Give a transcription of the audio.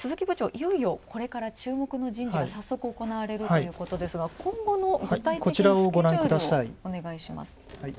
いよいよ、これから注目の人事が、早速行われるということですが今後の具体的なスケジュールをお願いします。